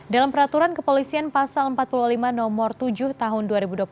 dalam peraturan kepolisian pasal empat puluh lima nomor tujuh tahun dua ribu dua puluh satu